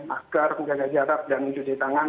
masker menjaga jarak dan mencuci tangan